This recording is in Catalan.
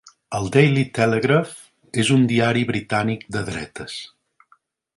El Daily Telegraph és un diari britànic de dretes.